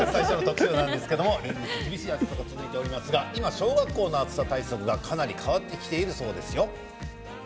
連日厳しい暑さが続いていますが今、小学校の暑さ対策がかなり変わってきているそうですよ。